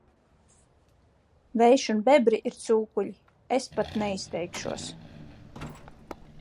Vējš un bebri ir cūkuļi, es pat neizteikšos...